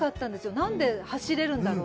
なんで走れるんだろう。